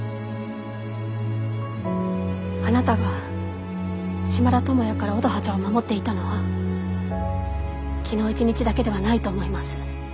あなたが島田友也から乙葉ちゃんを守っていたのは昨日一日だけではないと思います。